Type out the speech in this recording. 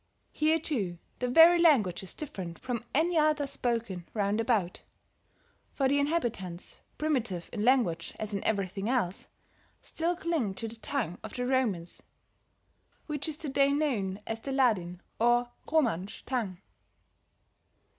Here, too, the very language is different from any other spoken roundabout; for the inhabitants, primitive in language as in everything else, still cling to the tongue of the Romans, which is to day known as the Ladin or Romansch tongue.